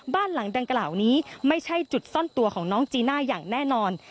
บ้านหลังดังกล่าวนี้ไม่ใช่จุดซ่อนตัวของน้องจีน่าอย่างแน่นอน